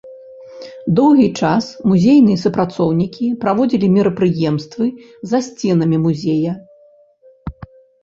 Доўгі час музейныя супрацоўнікі праводзілі мерапрыемствы за сценамі музея.